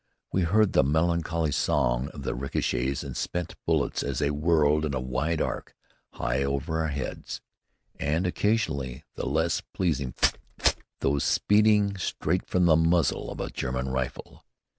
We heard the melancholy song of the ricochets and spent bullets as they whirled in a wide arc, high over our heads, and occasionally the less pleasing phtt! phtt! of those speeding straight from the muzzle of a German rifle.